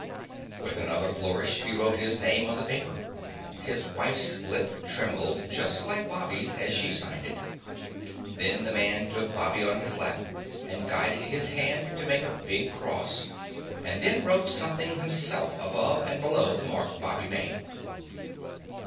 With another flourish, he wrote his name on the paper. His wife's lip trembled just like Bobby's as she signed it. Then the man took Bobby on his lap and guided his hand in making a big cross, and then wrote something himself above and below the mark Bobby made.